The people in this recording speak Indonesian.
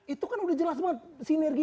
itu kan udah jelas banget sinergi